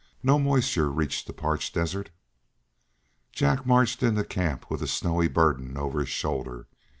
No moisture reached the parched desert. Jack marched into camp with a snowy burden over his shoulder.